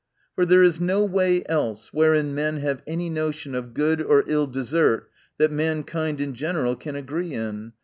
For there is no way else, wherein men have any notion of good or ill desert, that mankind in general can agree in.